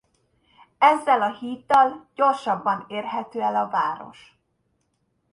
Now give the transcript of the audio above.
Ezzel a híddal gyorsabban érhető el a város.